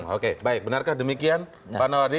oke baik benarkah demikian pak nawardi